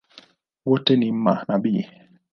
Wote ni manabii?